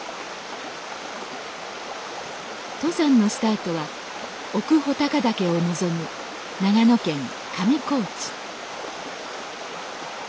登山のスタートは奥穂高岳を臨む長野県